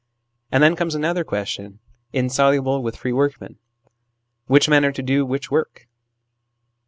And then comes another question, in soluble with free workmen : which men are to do which work